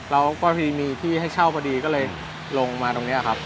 แล้วก็มีที่ให้เช่าพอดีก็เลยลงมาตรงนี้ครับ